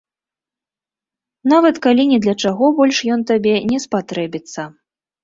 Нават калі ні для чаго больш ён табе не спатрэбіцца.